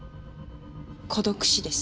孤独死です。